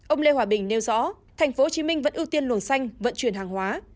ông lê hòa bình nêu rõ tp hcm vẫn ưu tiên luồng xanh vận chuyển hàng hóa